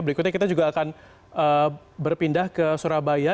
berikutnya kita juga akan berpindah ke surabaya